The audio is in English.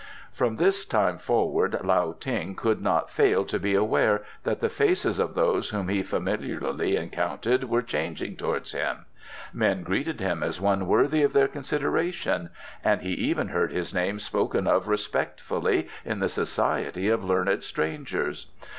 From this time forward Lao Ting could not fail to be aware that the faces of those whom he familiarly encountered were changed towards him. Men greeted him as one worthy of their consideration, and he even heard his name spoken of respectfully in the society of learned strangers.